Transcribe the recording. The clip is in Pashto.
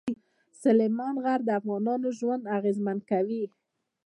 سلیمان غر د افغانانو ژوند اغېزمن کوي.